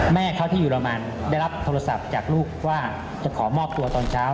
แม่เขาที่อยู่รมันได้รับโทรศัพท์จากลูกว่าจะขอมอบตัวตอนเช้า